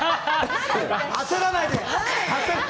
焦らないで。